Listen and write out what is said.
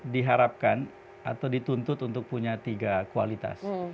diharapkan atau dituntut untuk punya tiga kualitas